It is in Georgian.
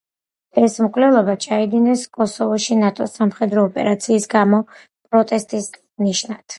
ეს მკვლელობა ჩაიდინეს კოსოვოში ნატოს სამხედრო ოპერაციის გამო პროტესტის ნიშნად.